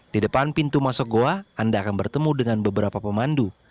di depan pintu masuk goa anda akan bertemu dengan beberapa pemandu